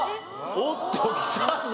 おっときたぞ。